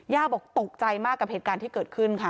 บอกตกใจมากกับเหตุการณ์ที่เกิดขึ้นค่ะ